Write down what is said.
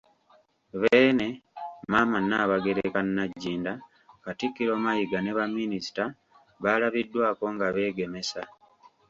Beene, Maama Nnaabagereka Nagginda, Katikkiro Mayiga ne baminisita, baalabiddwako nga beegemesa